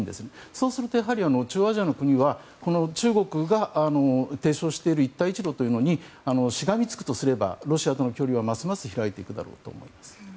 そうすると、中央アジアの国は中国が提唱している一帯一路というのにしがみつくとすればロシアとの距離は、ますます開いていくだろうと思います。